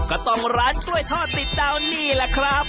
ก็ต้องร้านกล้วยทอดติดดาวนี่แหละครับ